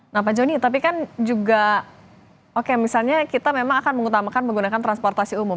nah pak joni tapi kan juga oke misalnya kita memang akan mengutamakan menggunakan transportasi umum